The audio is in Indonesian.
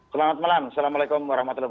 selamat malam assalamualaikum wr wb